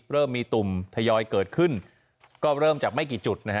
เริ่มมีตุ่มทยอยเกิดขึ้นก็เริ่มจากไม่กี่จุดนะฮะ